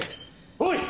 おい！